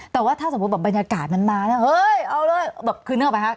แต่ว่าถ้าสมมุติแบบบรรยากาศมันมาเนี่ยเฮ้ยเอาเลยแบบคือนึกออกไหมคะ